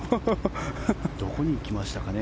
どこに行きましたかね。